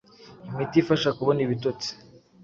imiti ifasha kubona ibitotsi